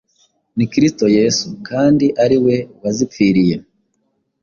Ni Kristo Yesu, kandi ari we wazipfiriye;